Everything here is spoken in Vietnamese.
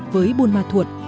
với buôn ma thuột